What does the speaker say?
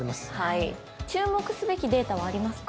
注目すべきデータはありますか？